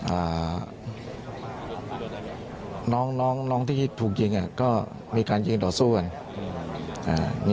อ่าน้องน้องน้องที่ถูกยิงอ่ะก็มีการยิงต่อสู้กันอ่า